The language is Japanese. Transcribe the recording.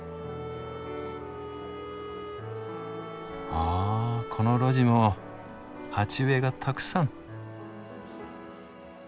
あこの路地も鉢植えがたくさん。